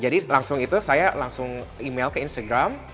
jadi langsung itu saya langsung email ke instagram